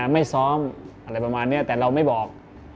ไม่ซ้อมอะไรประมาณนี้แต่เราไม่บอก